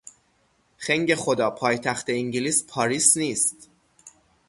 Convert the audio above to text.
خنگ خدا، پایتخت انگلیس پاریس نیست!